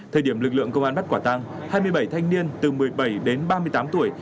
thời điểm lực lượng công an bắt quả tăng hai mươi bảy thanh niên từ một mươi bảy đến ba mươi tám tuổi